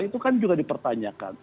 itu kan juga dipertanyakan